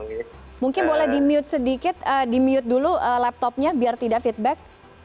mungkin boleh di mute sedikit di mute dulu laptopnya biar tidak feedback